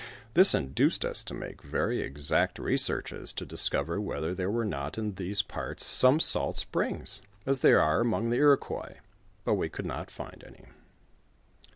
This induced us to make very exact researches to discover whether there were not in these parts some salt springs, as there are among the Iroquois, but we could not find any.